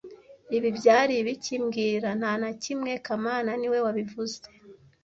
"Ibi byari ibiki mbwira" "Nta na kimwe kamana niwe wabivuze"